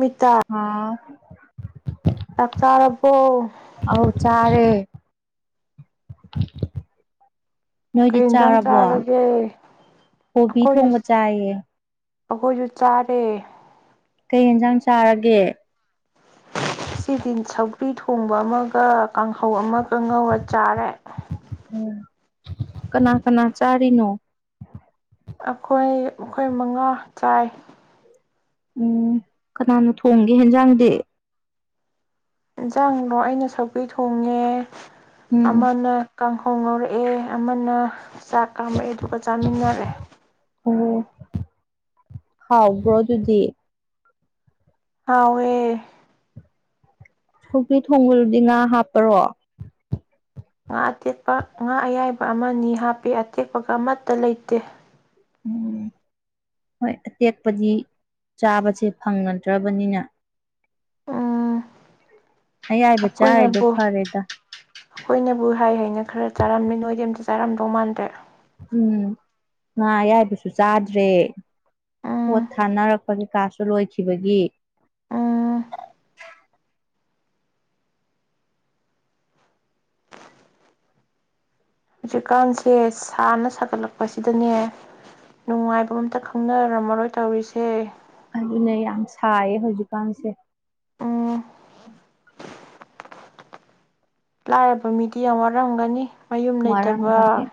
ꯃꯤꯇꯥ ꯍꯥꯥ [inaudible] ꯆꯥꯛ ꯆꯥꯔꯔꯕꯣ ꯑꯧ [inaudible] ꯅꯣꯏꯗꯤ ꯀꯩ ꯌꯦꯟꯖꯥꯡ ꯆꯥꯔꯕꯣ ꯆꯥꯔꯒꯦ ꯀꯣꯕꯤ ꯑꯩꯈꯣꯏꯁꯨ ꯊꯣꯡꯕ ꯆꯥꯏꯌꯦ ꯑꯩꯈꯣꯏꯁꯨ ꯆꯥꯔꯦ ꯀꯩ ꯌꯦꯟꯁꯥꯡ ꯆꯥꯔꯒꯦ ꯁꯤꯗꯤ ꯁꯒ꯭ꯔꯤ ꯊꯣꯡꯕ ꯑꯃꯒ ꯀꯥꯡꯍꯧ ꯑꯃꯒ ꯉꯧꯔ ꯆꯥꯔꯦ ꯎꯝ ꯀꯅꯥ ꯀꯅꯥ ꯆꯥꯔꯤꯅꯣ ꯑꯩꯈꯣꯏ ꯑꯩꯈꯣꯏ ꯃꯉꯥ ꯆꯥꯏ ꯎꯝ ꯀꯅꯥꯅꯣ ꯊꯣꯡꯒꯦ ꯌꯦꯦꯟꯖꯥꯡꯗꯤ ꯏꯟꯁꯥꯡꯅꯣ ꯑꯩꯅ ꯁꯛꯄꯤ ꯊꯣꯡꯉꯦ ꯎꯝ ꯑꯃꯥꯟꯅ ꯀꯥꯡꯈꯣꯡ ꯉꯧꯔꯛꯑꯦ ꯑꯃꯅ ꯆꯥꯛ ꯀꯥꯝꯃꯛꯛꯑꯦ ꯑꯗꯨꯒ ꯆꯥꯃꯤꯟꯅꯔꯦ ꯑꯣ ꯍꯥꯎꯕ꯭ꯔꯣ ꯑꯗꯨꯗꯤ ꯍꯋꯦ ꯁꯣꯛ꯭ꯔꯤ ꯊꯣꯡꯕꯗꯤ ꯉꯥ ꯍꯥꯞꯄꯔꯣ ꯉꯥ ꯑꯇꯦꯛꯄ ꯉꯥ ꯑꯌꯥꯏꯕ ꯑꯃꯅꯤ ꯍꯥꯞꯄꯤ ꯑꯇꯦꯛꯄꯒ ꯑꯃꯠꯇ ꯂꯩꯇꯦ ꯎꯝ ꯍꯣꯏ ꯑꯇꯦꯛꯄꯗꯤ ꯆꯥꯕꯁꯦ ꯐꯪꯅꯗ꯭ꯔꯕꯅꯤꯅ ꯑꯥ ꯑꯌꯥꯏꯕ ꯆꯥꯔꯗꯣ ꯐꯔꯦꯗ ꯑꯈꯣꯏꯅꯕꯨ ꯍꯥꯏ ꯍꯥꯏꯅ ꯈꯔ ꯆꯥꯔꯝꯃꯤ ꯅꯣꯏꯗꯤ ꯑꯝꯇ ꯆꯥꯔꯝꯗꯧ ꯃꯥꯟꯗ꯭ꯔꯦ ꯎꯝ ꯉꯥ ꯑꯌꯥꯏꯕꯁꯨ ꯆꯥꯗ꯭ꯔꯦ ꯄꯣꯠ ꯎꯝ ꯊꯥꯅꯔꯛꯄ ꯀꯩꯀꯥꯁꯨ ꯂꯣꯏꯈꯤꯕꯒꯤ ꯎꯝ ꯍꯧꯖꯤꯛꯀꯥꯟꯁꯦ ꯁꯥꯅ ꯁꯥꯒꯠꯂꯛꯄꯁꯤꯗꯅꯦ ꯅꯨꯡꯉꯥꯏꯕ ꯑꯝꯇ ꯈꯪꯅꯔꯝꯃꯔꯣꯏ ꯇꯧꯔꯤꯁꯦ ꯑꯗꯨꯅꯦ ꯌꯥꯝ ꯁꯥꯏꯌꯦ ꯍꯧꯖꯤꯛꯀꯥꯟꯁꯦ ꯎꯝ ꯂꯥꯏꯔꯕ ꯃꯤꯗꯤ ꯌꯥꯝ ꯋꯥꯔꯝꯒꯅꯤ ꯃꯌꯨꯝ ꯂꯩꯇꯕ ꯋꯥꯔꯝꯒꯅꯤ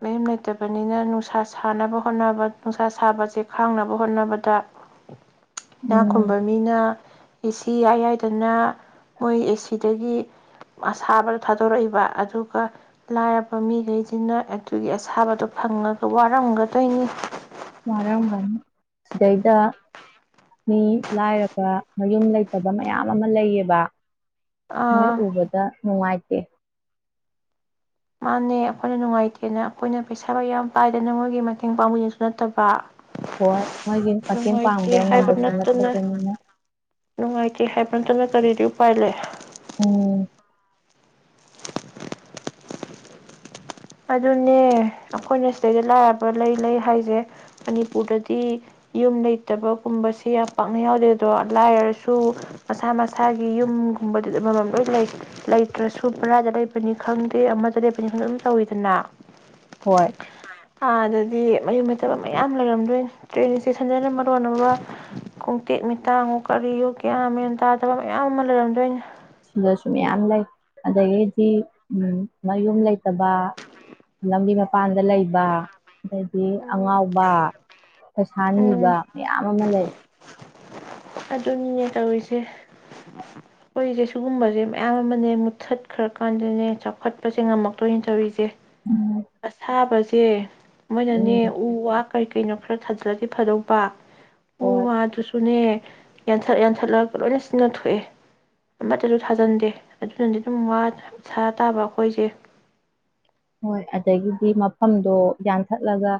ꯃꯌꯨꯝ ꯂꯩ ꯐꯠꯇꯕꯅꯤꯅ ꯅꯨꯡꯁꯥ ꯁꯥꯅꯕ ꯍꯣꯠꯅꯕ ꯅꯨꯡꯁꯥ ꯁꯥꯕꯁꯦ ꯈꯥꯡꯅꯕ ꯍꯣꯠꯅꯕꯗ ꯏꯅꯥ ꯎꯝ ꯈꯨꯨꯝꯕ ꯃꯤꯅ ꯑꯦꯁꯤ ꯌꯥꯏ ꯌꯥꯏꯗꯅ ꯃꯣꯏ ꯑꯦꯁꯤꯗꯒꯤ ꯑꯁꯥꯕꯗ ꯊꯥꯗꯣꯔꯛꯏꯕ ꯑꯗꯨꯒ ꯂꯥꯏꯔꯕ ꯃꯤꯒꯩꯁꯤꯅ ꯑꯗꯨꯒꯤ ꯑꯁꯥꯕꯗꯣ ꯐꯪꯉꯒ ꯋꯥꯔꯝꯒꯗꯣꯏꯅꯤ ꯋꯥꯔꯝꯒꯅꯤ ꯁꯤꯗꯩꯗ ꯃꯤ ꯂꯥꯏꯔꯕ ꯃꯌꯨꯝ ꯂꯩꯇꯕ ꯃꯌꯥꯝ ꯑꯃ ꯂꯩꯌꯦꯕ ꯃꯤ ꯎꯕꯗ ꯅꯨꯡꯉꯥꯏ ꯑꯦ ꯃꯥꯅꯦ ꯑꯩꯈꯣꯏꯅ ꯅꯨꯡꯉꯥꯏꯇꯦꯅ ꯑꯩꯈꯣꯏꯅ ꯄꯩꯁꯥ ꯌꯥꯝ ꯄꯥꯏꯗꯅ ꯃꯣꯏꯒꯤ ꯃꯇꯦꯡ ꯄꯥꯡꯕꯤꯗꯨꯁꯨ ꯅꯠꯇꯕ ꯍꯣꯏ ꯃꯣꯏꯒꯤ ꯃꯇꯦꯡ ꯅꯨꯡꯉꯥꯏꯇꯦ ꯄꯥꯡꯕ ꯍꯥꯏꯕ ꯉꯝꯕꯁꯨ ꯅꯠꯇꯅ ꯅꯠꯇꯕꯅꯤꯅ ꯑꯗꯨꯅ ꯀꯔꯤꯗꯤ ꯎꯄꯥꯏ ꯂꯩ ꯎꯝ ꯑꯗꯨꯅꯦ ꯑꯩꯈꯣꯏꯅ ꯁꯤꯗꯩꯗ ꯂꯥꯏꯔꯕ ꯂꯩ ꯂꯩ ꯍꯥꯏꯁꯦ ꯃꯅꯤꯄꯨꯔꯗꯗꯤ ꯌꯨꯝ ꯂꯩꯇꯕꯒꯨꯝꯕꯁꯤ ꯌꯥꯝ ꯄꯥꯛꯅ ꯌꯥꯎꯗꯦ ꯑꯗꯣ ꯂꯥꯏꯔꯁꯨ ꯃꯁꯥ ꯃꯁꯥꯒꯤ ꯌꯨꯝꯒꯨꯝꯕꯗ ꯑꯃꯃꯝ ꯂꯣꯏ ꯂꯩ ꯂꯩꯇ꯭ꯔꯁꯨ ꯕꯔꯥꯗ ꯂꯩꯕꯅꯤ ꯈꯪꯗꯦ ꯑꯃꯗ ꯂꯩꯕꯅꯤ ꯈꯪꯗꯦ ꯇꯧꯏꯗꯅ ꯍꯣꯏ ꯑꯥꯗꯗꯤ ꯃꯌꯨꯝ ꯂꯩꯇꯕ ꯃꯌꯥꯝ ꯂꯩꯔꯝꯗꯣꯏꯅꯤ ꯇ꯭ꯔꯦꯟ ꯏꯁꯇꯦꯁꯟꯗꯅ ꯃꯔꯣꯟ ꯑꯃ ꯈꯣꯡꯇꯦꯛ ꯃꯤꯇꯥꯡ ꯀꯔꯤꯌꯣ ꯒ꯭ꯋꯥꯟ ꯃꯦꯟ ꯇꯥꯗꯕ ꯃꯌꯥꯝ ꯑꯃ ꯂꯩꯔꯝꯗꯣꯏꯅꯤ ꯁꯤꯗꯁꯨ ꯃꯌꯥꯝ ꯂꯩ ꯑꯗꯒꯤꯗꯤ ꯃꯌꯨꯝ ꯂꯩꯇꯕ ꯂꯝꯕꯤ ꯃꯄꯥꯟꯗ ꯂꯩꯕ ꯑꯗꯩꯗꯤ ꯑꯉꯥꯎꯕ ꯄꯩꯁꯥꯅꯤꯕ ꯎꯝ ꯃꯌꯥꯝ ꯑꯃ ꯂꯩ ꯑꯗꯨꯅꯤꯅꯦ ꯇꯧꯔꯤꯁꯦ ꯑꯩꯈꯣꯏꯁꯦ ꯁꯤꯒꯨꯝꯕꯁꯦ ꯃꯌꯥꯝ ꯑꯃꯅꯦ ꯃꯨꯠꯊꯠꯈ꯭ꯔꯀꯥꯟꯗꯅꯦ ꯆꯥꯎꯈꯠꯄꯁꯦ ꯉꯝꯃꯛꯇꯣꯏꯅꯦ ꯇꯧꯔꯤꯁꯦ ꯎꯝ ꯑꯁꯥꯕꯁꯦ ꯇꯦ ꯃꯣꯏꯅꯅꯦ ꯎ ꯋꯥ ꯀꯩ ꯀꯩꯅꯣ ꯈꯔ ꯊꯥꯖꯤꯜꯂꯗꯤ ꯐꯥꯗꯧꯕ ꯎ ꯍꯣꯏ ꯋꯥ ꯗꯨꯁꯨꯅꯦ ꯌꯥꯟꯊꯠ ꯌꯥꯟꯊꯠꯂꯒ ꯂꯣꯏꯅ ꯁꯤꯖꯤꯟꯅ ꯊꯣꯛꯑꯦ ꯑꯃꯠꯇꯁꯨ ꯊꯥꯖꯟꯗꯦ ꯑꯗꯨꯅꯗꯤ ꯑꯗꯨꯝ ꯋꯥ ꯁꯥ ꯇꯥꯕ ꯑꯩꯈꯣꯏꯁꯦ ꯍꯣꯏ ꯑꯗꯒꯤꯗꯤ ꯃꯐꯝꯗꯣ ꯌꯥꯟꯊꯠꯂꯒ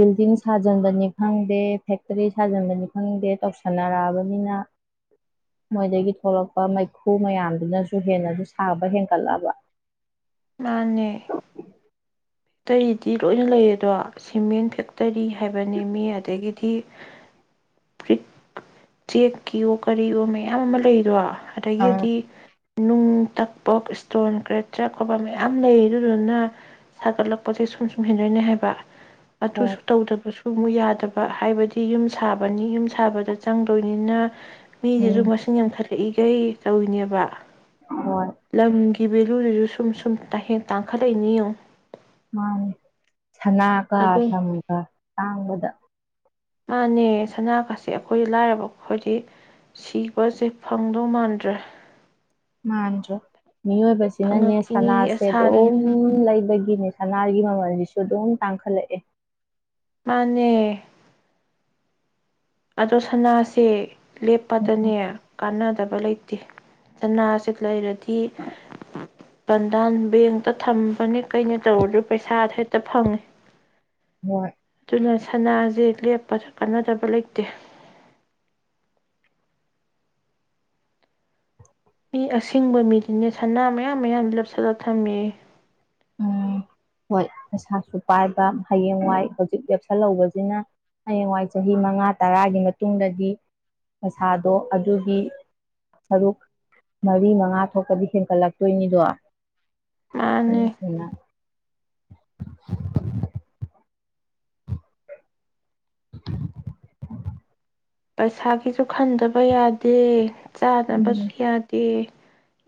ꯕꯤꯜꯗꯤꯡ ꯁꯥꯖꯟꯕꯅꯤ ꯈꯪꯗꯦ ꯐꯦꯛꯇꯔꯤ ꯁꯥꯖꯤꯟꯕꯅꯤ ꯈꯪꯗꯦ ꯇꯧꯁꯟꯅꯔꯛꯑꯕꯅꯤꯅ ꯃꯣꯏꯗꯒꯤ ꯊꯣꯛꯂꯛꯄ ꯃꯩꯈꯨ ꯃꯌꯥꯝꯗꯨꯅꯁꯨ ꯍꯦꯟꯅꯁꯨ ꯁꯥꯕ ꯍꯦꯟꯒꯠꯂꯕ ꯃꯥꯅꯦ ꯑꯇꯩꯗꯤ ꯂꯣꯏꯅ ꯂꯩꯔꯦꯗꯣ ꯁꯤꯃꯦꯟ ꯐꯦꯛꯇꯔꯤ ꯍꯥꯏꯕꯅꯤꯃꯤ ꯑꯗꯒꯤꯗꯤ ꯄꯔꯤꯛ ꯆꯦꯛꯀꯤꯌꯨ ꯀꯔꯤꯋꯣ ꯃꯌꯥꯝ ꯑꯃ ꯂꯩꯗꯣ ꯑꯥ ꯑꯗꯩꯒꯤꯗꯤ ꯅꯨꯡ ꯇꯛꯄꯣꯛ ꯏꯁꯇꯣꯟ ꯀ꯭ꯔꯦ ꯆꯔ ꯈꯣꯠꯄ ꯃꯌꯥꯝ ꯂꯩ ꯑꯗꯨꯗꯨꯅ ꯁꯥꯒꯠꯂꯛꯄꯁ ꯁꯨꯝ ꯁꯨꯝ ꯍꯦꯟꯗꯣꯏꯅꯦ ꯍꯥꯏꯕ ꯍꯣꯏ ꯑꯗꯨꯁꯨ ꯇꯧꯗꯕꯁꯨ ꯁꯨꯝ ꯌꯥꯗꯕ ꯍꯥꯏꯕꯗꯤ ꯌꯨꯝ ꯁꯥꯕꯅꯤ ꯌꯨꯝ ꯁꯥꯕꯗ ꯆꯪꯗꯣꯏꯅꯤꯅ ꯎꯝ ꯃꯤꯖꯤꯖꯨ ꯃꯁꯤꯡ ꯌꯝꯈꯠ ꯊꯛꯏꯈꯩ ꯇꯧꯅꯦꯕ ꯍꯣꯏ ꯂꯝꯒꯤ ꯀꯤ ꯚꯦꯂꯨꯗꯨꯁꯨ ꯁꯨꯝ ꯁꯨꯝ ꯇꯍꯦꯟ ꯇꯥꯡꯈꯠꯂꯛꯏꯅꯤꯌꯨ ꯃꯥꯅꯤ ꯁꯅꯥ ꯀꯥ ꯑꯗꯨ ꯂꯝꯒ ꯇꯥꯡꯕꯗ ꯃꯥꯅꯦ ꯁꯅꯥꯒꯁꯤ ꯑꯈꯣꯏ ꯂꯥꯏꯔꯕ ꯑꯥꯈꯣꯏꯗꯤ ꯁꯤꯕꯁꯦ ꯐꯪꯗꯧ ꯃꯥꯟꯗ꯭ꯔꯦ ꯃꯥꯟꯗꯔ꯭ꯦ ꯃꯤꯑꯣꯏꯕꯁꯤꯅꯅꯦ ꯐꯪꯉꯛꯈꯤꯅꯤꯒꯤ ꯁꯅꯥꯁꯦ ꯑꯁꯥꯗ ꯑꯗꯨꯝ ꯂꯩꯕꯒꯤ ꯒꯤꯅꯤ ꯁꯅꯥꯒꯤ ꯃꯃꯜꯁꯤꯁꯨ ꯑꯗꯨꯝ ꯇꯥꯡꯈꯠꯂꯛꯑꯦ ꯃꯥꯅꯦ ꯑꯗꯣ ꯁꯅꯥꯁꯦ ꯂꯦꯞꯄꯗꯅꯦ ꯀꯥꯟꯅꯗꯕ ꯂꯩꯇ ꯇꯦ ꯁꯅꯥꯁꯤ ꯂꯩꯔꯗꯤ ꯀꯤ ꯕꯟꯗꯥꯟ ꯕꯦꯡꯇ ꯊꯝꯕꯅꯦ ꯀꯩꯅꯣ ꯇꯧꯔꯗ꯭ꯔꯣ ꯄꯩꯁꯥ ꯍꯦꯛꯇ ꯐꯪꯉꯤ ꯍꯣꯏ ꯁꯅꯥꯁꯦ ꯂꯦꯞꯄꯁꯨ ꯀꯥꯟꯅꯗꯕ ꯂꯩꯇꯦ ꯃꯤ ꯑꯁꯤꯡꯦꯡꯕ ꯃꯤꯗꯨꯅꯦ ꯁꯅꯥ ꯃꯌꯥꯝ ꯃꯌꯥꯝ ꯂꯞꯁꯤꯂ ꯊꯝꯃꯤ ꯎꯝ ꯍꯣꯏ ꯄꯩꯁꯥꯁꯨ ꯄꯥꯏꯕ ꯍꯌꯦꯡꯋꯥꯏ ꯍꯧꯖꯤꯛ ꯂꯦꯞꯁꯜꯍꯧꯕꯁꯤꯅ ꯍꯌꯦꯡꯋꯥꯏ ꯆꯍꯤ ꯃꯉꯥ ꯇꯔꯥꯒꯤ ꯃꯇꯨꯡꯗꯗꯤ ꯄꯁꯥꯗꯣ ꯑꯗꯨꯒꯤ ꯁꯔꯨꯛ ꯃꯔꯤ ꯃꯉꯥ ꯊꯣꯛꯄꯗꯤ ꯍꯦꯟꯀꯠꯂꯛꯇꯣꯏꯅꯤꯗꯣ ꯃꯥꯅꯤ ꯑ [unintelligible] ꯄꯩꯁꯥꯒꯤꯁꯨ ꯈꯟꯗꯕ ꯌꯥꯗꯦ ꯆꯥꯅꯕꯁꯨ ꯌꯥꯗꯦ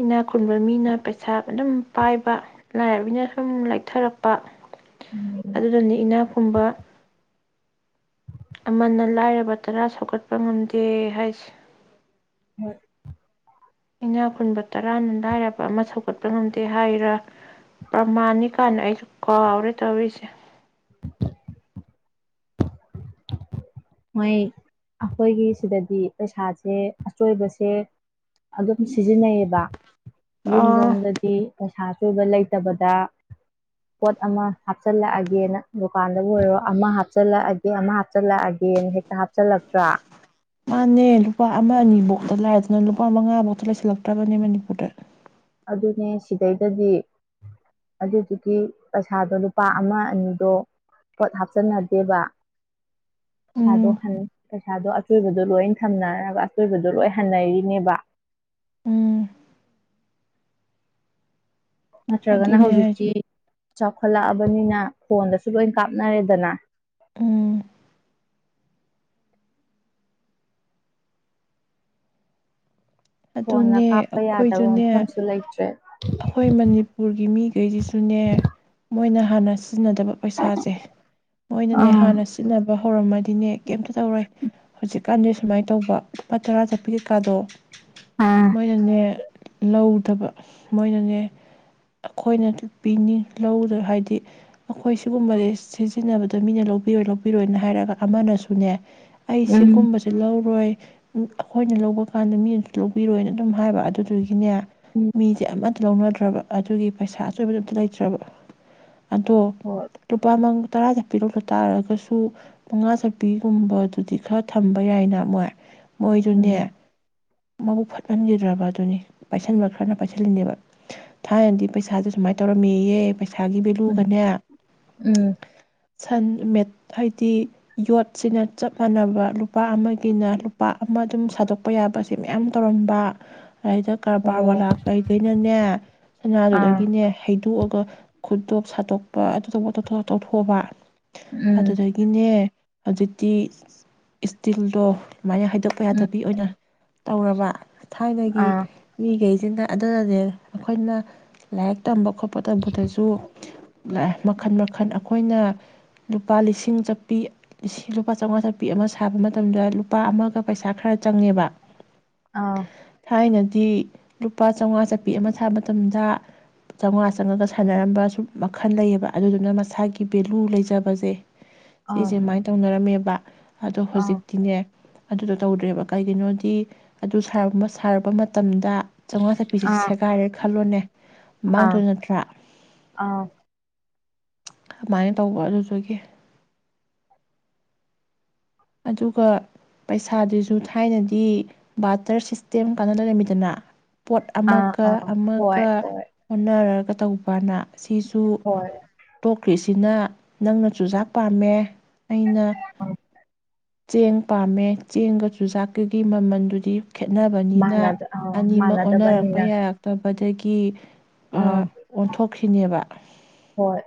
ꯏꯅꯥ ꯈꯨꯟꯕ ꯃꯤꯅ ꯄꯩꯁꯥ ꯑꯗꯨꯝ ꯄꯥꯏꯕ ꯂꯥꯏꯔꯕꯕꯤꯅ ꯁꯨꯝ ꯂꯩꯊꯔꯛꯄ ꯑꯗꯨꯗꯅꯤ ꯏꯅꯥꯛ ꯈꯨꯨꯝꯕ ꯑꯃꯅ ꯂꯥꯏꯔꯕ ꯇꯔꯥ ꯁꯧꯒꯠꯄ ꯉꯝꯗꯦ ꯍꯥꯏꯁꯦ ꯍꯣꯏ ꯏꯅꯥ ꯈꯨꯟꯕ ꯇꯔꯥꯅ ꯂꯥꯏꯔꯕ ꯑꯃ ꯁꯧꯒꯠꯄ ꯉꯝꯗꯦ ꯍꯥꯏꯔ ꯄ꯭ꯔꯃꯥꯅꯤ ꯀꯥꯏꯅ ꯑꯩꯁꯨ ꯀꯥꯎꯔꯦ ꯇꯧꯔꯤꯁꯦ ꯃꯣꯏ ꯑꯩꯈꯣꯏꯒꯤ ꯁꯤꯗꯗꯤ ꯄꯩꯁꯥꯁꯦ ꯑꯆꯣꯏꯕꯁꯦ ꯑꯗꯨꯝ ꯁꯤꯖꯤꯟꯅꯩꯌꯦꯕ ꯌꯨꯝ ꯑꯥ ꯂꯣꯝꯗꯗꯤ ꯑꯁ ꯁꯥ ꯆꯣꯏꯕ ꯂꯩꯇꯕꯗ ꯄꯣꯠ ꯑꯃ ꯍꯥꯞꯆꯤꯜꯂꯛꯑꯒꯦꯅ ꯗꯨꯀꯥꯟꯗꯕꯨ ꯑꯣꯏꯔꯣ ꯑꯃ ꯍꯥꯞꯆꯤꯜꯂꯛꯑꯒꯦ ꯑꯃ ꯍꯥꯞꯆꯤꯜꯂꯛꯑꯒꯦ ꯌꯦꯦꯟ ꯍꯦꯛꯇ ꯍꯥꯞꯆꯤꯜꯂꯛꯇ꯭ꯔꯥ ꯃꯥꯅꯦ ꯂꯨꯄꯥ ꯑꯃ ꯑꯅꯤꯕꯧ ꯑꯗ ꯂꯥꯏꯗꯅ ꯂꯨꯄꯥ ꯃꯉꯥꯃꯨꯛꯇ ꯂꯩꯁꯤꯜꯂꯛꯇ꯭ꯔꯕꯅꯦ ꯃꯅꯤꯄꯨꯔꯗ ꯑꯗꯨꯅꯦ ꯁꯤꯗꯩꯗꯗꯤ ꯑꯗꯨꯗꯨꯒꯤ ꯄꯩꯁꯥꯗꯣ ꯂꯨꯄꯥ ꯑꯃ ꯑꯅꯤꯗꯣ ꯄꯣꯠ ꯍꯥꯞꯆꯤꯟꯅꯗꯦꯕ ꯄꯩꯁꯥꯗꯣ ꯎꯝ ꯄꯩꯁꯥꯗꯣ ꯑꯆꯣꯏꯕꯗꯣ ꯂꯣꯏ ꯊꯝꯅꯔꯒ ꯑꯆꯣꯏꯕꯗꯣ ꯂꯣꯏ ꯍꯟꯅꯔꯤꯅꯦꯕ ꯎꯝ ꯅꯠꯇ꯭ꯔꯒꯅ ꯑꯗꯨꯅꯦ ꯍꯥꯏꯁꯦ ꯍꯧꯖꯤꯛꯇꯤ ꯆꯥꯎꯈꯠꯂꯛꯑꯕꯅꯤꯅ ꯐꯣꯟꯗꯁꯨ ꯂꯣꯏ ꯀꯥꯞꯅꯔꯦꯗꯅ ꯎꯝ ꯐꯣꯟꯅ ꯑꯗꯨꯅꯦ ꯀꯥꯞꯄ ꯌꯥꯗꯕ ꯑꯩꯈꯣꯏꯁꯨꯅꯦ ꯃꯐꯝꯁꯨ ꯂꯩꯇ꯭ꯔꯦ ꯑꯩꯈꯣꯏ ꯃꯅꯤꯄꯨꯔꯒꯤ ꯃꯤꯒꯩꯁꯤꯁꯨꯅꯦ ꯃꯣꯏꯅ ꯍꯥꯟꯅ ꯁꯤꯖꯤꯟꯅꯗꯕ ꯄꯩꯁꯥꯁꯦ ꯃꯣꯏꯅꯅꯦ ꯑꯥ ꯍꯥꯟꯅ ꯁꯤꯖꯤꯟꯅꯕ ꯍꯧꯔꯝꯃꯗꯤꯅꯦ ꯀꯩꯝꯇ ꯇꯧꯔꯣꯏ ꯍꯧꯖꯤꯛꯀꯥꯟꯗꯤ ꯁꯨꯃꯥꯏꯅ ꯇꯧꯕ ꯂꯨꯄꯥ ꯇꯔꯥ ꯆꯠꯄ ꯀꯩꯀꯥꯗꯣ ꯑꯥ ꯃꯣꯏꯅꯅꯦ ꯂꯧꯗꯕ ꯃꯣꯏꯅꯅꯦ ꯑꯩꯈꯣꯏꯅ ꯄꯤꯅꯤꯡ ꯂꯧꯗ ꯍꯥꯏꯗꯤ ꯑꯩꯈꯣꯏ ꯁꯤꯒꯨꯝꯕꯁꯦ ꯁꯤꯖꯤꯟꯅꯕꯗ ꯃꯤꯅ ꯂꯧꯕꯤꯔꯣꯏ ꯂꯧꯕꯤꯔꯣꯏꯅ ꯍꯥꯏꯔꯒ ꯑꯃꯅꯁꯨꯅꯦ ꯑꯩ ꯎꯝ ꯁꯤꯒꯨꯝꯕꯁꯦ ꯂꯧꯔꯣꯏ ꯑꯩꯈꯣꯏꯅ ꯂꯧꯕ ꯀꯥꯟꯗ ꯃꯤꯅꯁꯨ ꯂꯧꯕꯤꯔꯣꯏꯅ ꯑꯗꯨꯝ ꯍꯥꯏꯕ ꯑꯗꯨꯗꯨꯒꯤꯅꯦ ꯎꯝ ꯃꯤ ꯑꯝꯇ ꯂꯧꯅꯗ꯭ꯔꯕ ꯑꯗꯨꯒꯤ ꯄꯩꯁꯥ ꯑꯆꯣꯏꯕꯗꯨ ꯑꯝꯇ ꯂꯩꯇ꯭ꯔꯕ ꯑꯗꯣ ꯍꯣꯏ ꯂꯨꯄꯥ ꯃꯪ ꯇꯔꯥꯗ ꯄꯤꯔꯣꯛꯇ ꯇꯥꯔꯒꯁꯨ ꯃꯉꯥ ꯆꯞꯄꯤꯒꯨꯝꯕꯗꯨꯗꯤ ꯈꯔ ꯊꯝꯕ ꯌꯥꯏꯅ ꯃꯣꯏ ꯎꯝ ꯃꯣꯏꯖꯨꯅꯦ ꯃꯕꯨꯛ ꯐꯠꯃꯟꯈꯤꯗ꯭ꯔꯕ ꯗꯨꯅꯤ ꯄꯥꯏꯁꯟꯕ ꯈꯔꯅ ꯄꯥꯏꯁꯤꯜꯂꯤꯅꯦꯕ ꯊꯥꯏꯅꯗꯤ ꯄꯩꯁꯥꯁꯦ ꯁꯨꯃꯥꯏꯅ ꯇꯧꯔꯝꯃꯤꯌꯦ ꯄꯩꯁꯥꯒꯤ ꯎꯝ ꯚꯦꯂꯨꯒꯅꯦ ꯎꯝ ꯁꯟ ꯃꯠ ꯍꯥꯏꯗꯤ ꯌꯣꯠꯁꯤꯅ ꯆꯞ ꯃꯥꯟꯅꯕ ꯂꯨꯄꯥ ꯑꯃꯒꯤꯅ ꯂꯨꯄꯥ ꯑꯃ ꯑꯗꯨꯝ ꯁꯥꯗꯣꯛꯄ ꯌꯥꯕꯁꯦ ꯃꯌꯥꯝ ꯇꯧꯔꯝꯕ ꯔꯥꯏꯗ ꯀꯔꯕꯥꯔ ꯑꯣ ꯋꯥꯂꯥ ꯀꯩꯗꯩꯩꯅꯥꯅꯦ ꯑꯥ ꯁꯅꯥꯗꯨꯗꯒꯤꯅꯦ ꯍꯩꯗꯣꯛꯑ ꯈꯨꯠꯗꯣꯞ ꯁꯥꯠꯇꯣꯛꯄ ꯑꯗꯨꯇꯧꯕ ꯑꯗꯥꯇꯧꯕ ꯇꯧꯊꯣꯛꯑꯕ ꯎꯝ ꯑꯗꯨꯗꯒꯤꯅꯦ ꯍꯧꯖꯤꯛꯇꯤ ꯏꯁꯇꯤꯜꯗꯣ ꯁꯨꯃꯥꯏꯅ ꯍꯥꯏꯗꯣꯛꯄ ꯎꯝ ꯌꯥꯗꯕꯤ ꯑꯣꯏꯅ꯫ ꯇꯧꯔꯕ ꯊꯥꯏꯅꯒꯤ ꯑꯥ ꯃꯤꯒꯩ ꯏꯟꯗ ꯑꯗꯨꯗꯗꯤ ꯑꯩꯈꯣꯏꯅ ꯂꯥꯏꯔꯤꯛ ꯇꯝꯕ ꯈꯣꯠꯄ ꯇꯝꯕꯗꯁꯨ ꯃꯈꯟ ꯃꯈꯟ ꯑꯩꯈꯣꯏꯅ ꯂꯨꯄꯥ ꯂꯤꯁꯤꯡ ꯆꯠꯄꯤ ꯂꯨꯄꯥ ꯆꯧꯉꯥ ꯆꯠꯄꯤ ꯑꯃ ꯁꯥꯕ ꯃꯇꯝꯗ ꯂꯨꯄꯥ ꯑꯃꯒ ꯄꯩꯁꯥ ꯈꯔ ꯆꯪꯉꯦꯕ ꯑꯥ ꯊꯥꯏꯅ ꯊ ꯂꯨꯄꯥ ꯆꯥꯝꯃꯉꯥ ꯆꯠꯄꯤ ꯑꯃ ꯁꯥꯕ ꯃꯇꯝꯗ ꯆꯥꯝꯃꯉꯥ ꯆꯪꯉꯒ ꯁꯥꯟꯅꯔꯝꯕ ꯁꯨꯝ ꯃꯈꯜ ꯂꯩꯌꯦꯕ ꯑꯗꯨꯗꯨꯅ ꯃꯁꯥꯒꯤ ꯚꯦꯂꯨ ꯂꯩꯖꯕꯁꯦ ꯑꯥ ꯁꯤꯁꯦ ꯁꯨꯃꯥꯏꯅ ꯇꯧꯅꯔꯝꯃꯦꯕ ꯑꯗꯣ ꯍꯧꯖꯤꯛꯇꯤꯅꯦ ꯑꯗꯨꯗꯣ ꯇꯧꯗ꯭ꯔꯦꯕ ꯀꯩꯒꯤꯅꯣꯗꯤ ꯑꯗꯨ ꯁꯥꯔꯕ ꯃꯇꯝꯗ ꯆꯥꯝꯃꯉꯥ ꯊꯛꯄꯤꯁꯤꯦ ꯑꯥ ꯑꯥ ꯁꯦꯥꯏꯔꯦ ꯈꯜꯂꯣꯅꯦ ꯑꯥ ꯑꯥ ꯃꯥꯡꯗꯣꯏ ꯅꯠꯇ꯭ꯔꯥ ꯑꯗꯨꯃꯥꯏꯅ ꯇꯧꯕ ꯑꯗꯨꯗꯨꯒꯤ ꯑꯗꯨꯒ ꯄꯩꯁꯥꯗꯨꯁꯨ ꯊꯥꯏꯅꯗꯤ ꯕꯥꯇꯔ ꯁꯤꯁꯇꯦꯝ ꯀꯥꯟꯅ ꯂꯩꯔꯝꯃꯤꯗꯅ ꯄꯣꯠ ꯑꯥ ꯑꯃꯒ ꯑꯥ ꯍꯣꯏ ꯑꯃꯒ ꯍꯣꯏ ꯍꯅꯔꯒ ꯇꯧꯕꯅ ꯁꯤꯁꯨ ꯍꯣꯏ ꯇꯣꯛꯈ꯭ꯔꯤꯁꯤꯅ ꯅꯪꯅ ꯆꯨꯖꯥꯛ ꯄꯥꯝꯃꯦ ꯑꯩꯅ ꯑ ꯆꯦꯡ ꯄꯥꯝꯃꯦ ꯆꯦꯡꯒ ꯆꯨꯖꯥꯛꯀꯒꯤ ꯃꯃꯜꯗꯨꯗꯤ ꯈꯦꯠꯅꯕꯅꯤꯅ ꯃꯥꯟꯅ ꯑꯥ ꯑꯅꯤꯃꯛ ꯑꯣꯟꯅꯔꯛꯄ ꯃꯥꯟꯅꯗꯕꯅꯤꯅ ꯌꯥꯔꯛꯇꯕꯗꯒꯤ ꯀ ꯑꯥ ꯎꯝ ꯑꯣꯟꯊꯣꯛꯈꯤꯅꯦꯕ ꯍꯣꯏ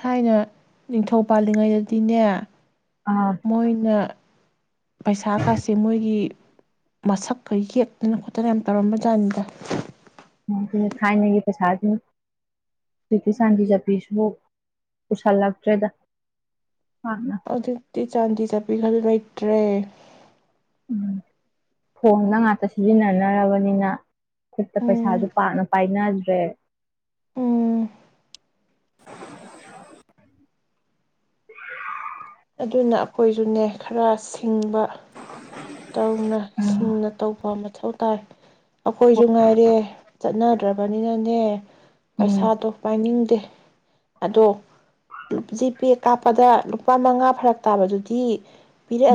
ꯊꯥꯏꯅ ꯅꯤꯡꯊꯧ ꯄꯥꯜꯂꯤꯉꯩꯗꯗꯤꯅꯦ ꯑꯥ ꯃꯣꯏꯅ ꯄꯩꯁꯥ ꯀꯥꯁꯦ ꯃꯣꯏꯒꯤ ꯃꯁꯛꯀ ꯌꯦꯛꯇꯅ ꯈꯣꯠꯇꯅ ꯌꯥꯝ ꯇꯧꯔꯝꯕ ꯖꯥꯠꯅꯤꯗ ꯑꯗꯨꯅ ꯊꯥꯏꯅꯒꯤ ꯄꯩꯁꯥꯗ ꯀꯤꯁꯥꯟꯒꯤ ꯖꯄꯤꯁꯨ ꯄꯨꯁꯜꯂꯛꯇ꯭ꯔꯦꯗ ꯑꯥ ꯑꯗꯨꯗꯤ ꯆꯥꯟꯗꯤ ꯆꯠꯄꯤꯈꯜ ꯂꯩꯇ꯭ꯔꯦ ꯎꯝ ꯊꯣꯡꯅ ꯉꯥꯛꯇ ꯁꯤꯖꯤꯟꯅꯅꯔꯕꯅꯤꯅ ꯈꯨꯠꯇ ꯄꯩꯁꯥꯁꯨ ꯎꯝ ꯄꯥꯅ ꯄꯥꯏꯅ ꯔꯦ ꯎꯝ [inaudible] ꯑꯗꯨꯅ ꯑꯩꯈꯣꯏꯁꯨꯅꯦ ꯈꯔ ꯁꯤꯡꯕ ꯇꯧꯅ ꯎꯝ ꯁꯤꯡꯅ ꯇꯧꯕꯑꯃꯜꯛ ꯁꯧꯇꯥꯏ ꯑꯩꯈꯣꯏꯁꯨ ꯉꯥꯏꯔꯦ ꯆꯠꯅꯗ꯭ꯔꯕ ꯑꯅꯤꯟꯅꯦ ꯎꯝ ꯄꯩꯁꯥꯗꯣ ꯄꯥꯏꯅꯤꯡꯗꯦ ꯑꯗꯣ ꯖꯤꯄꯦ ꯀꯥꯞꯄꯗ ꯂꯨꯄꯥ ꯃꯉꯥ ꯐꯔꯛ ꯇꯥꯕꯗꯨꯗꯤ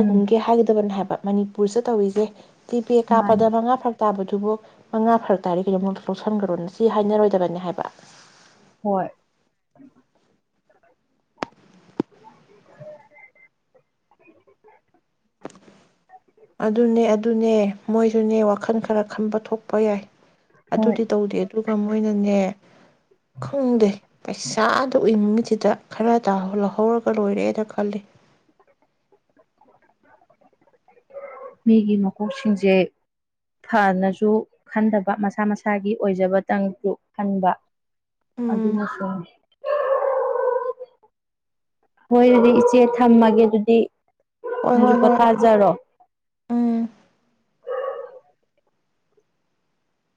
ꯎꯝ ꯍꯥꯏꯒꯗꯕꯅꯦ ꯍꯥꯏ ꯃꯅꯤꯄꯨꯔꯁꯨ ꯇꯧꯔꯤꯁꯦ ꯇꯤ ꯄꯦ ꯃꯥꯅꯤ ꯀꯥꯞꯄꯗ ꯃꯉꯥ ꯐꯔꯛ ꯇꯥꯕꯗ ꯑꯗꯨꯕꯨ ꯃꯉꯥ ꯐꯔꯛ ꯇꯥꯔ ꯀꯩꯗ ꯂꯧꯁꯟꯈ꯭ꯔꯣꯅ ꯁꯤ ꯍꯥꯏꯅꯔꯣꯏꯗꯕꯅꯤ ꯍꯥꯏꯕ ꯍꯣꯏ ꯑꯗꯨꯅꯦ ꯑꯗꯨꯅꯦ ꯃꯣꯏꯁꯨꯅꯦ ꯋꯥꯈꯜ ꯈꯔ ꯈꯟꯕ ꯊꯣꯛꯄ ꯌꯥꯏ ꯍꯣꯏ ꯑꯗꯨꯗꯤ ꯇꯧꯗꯦ ꯑꯗꯨꯒ ꯃꯣꯏꯅꯅꯦ ꯈꯪꯗꯦ ꯄꯩꯁꯥꯗꯣ ꯎꯏꯅꯤꯡꯉꯁꯤ ꯏꯇꯥ ꯈꯔ ꯇꯥꯍꯂꯣ ꯍꯧꯔꯒꯥ ꯂꯣꯏꯔꯦꯗ ꯈꯜꯂꯤ ꯃꯤꯒꯤ ꯃꯀꯣꯛꯁꯤꯡꯁꯦ ꯐꯅꯁꯨ ꯈꯟꯗꯕ ꯃꯁꯥ ꯃꯁꯥꯒꯤ ꯑꯣꯏꯖꯕꯇꯪꯗꯨ ꯈꯟꯕ ꯎꯝ ꯑꯗꯨꯅꯁꯨ ꯍꯣꯏ ꯑꯗꯨꯗꯤ ꯏꯆꯦ ꯊꯝꯃꯒꯦ ꯑꯗꯨꯗꯤ ꯍꯣꯏ ꯅꯡꯗꯨ ꯍꯣꯏ ꯍꯣꯏ ꯄꯣꯊꯖꯔꯣ ꯎꯝ